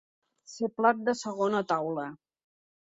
Ser plat de segona taula.